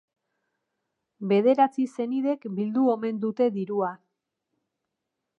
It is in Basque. Bederatzi senidek bildu omen dute dirua.